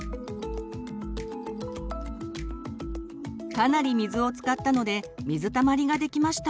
かなり水を使ったので水たまりができました。